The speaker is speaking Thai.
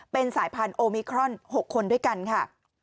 เป็นสายพันธุมิครอน๖คนด้วยกันค่ะ